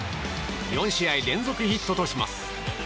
４試合連続ヒットとします。